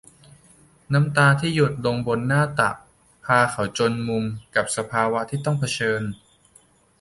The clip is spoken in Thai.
น้ำตาที่หยดลงบนหน้าตัก พาเขาจนมุมกับสภาวะที่ต้องเผชิญ